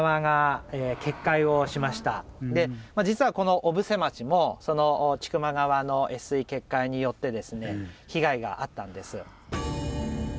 実はこの小布施町もその千曲川の越水決壊によってですね被害があったんです。